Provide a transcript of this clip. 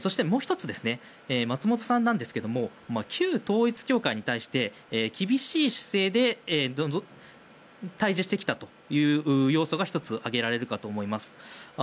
そしてもう１つ松本さんなんですが旧統一教会に対して厳しい姿勢で対峙してきたという要素が１つ、挙げられるかと思います。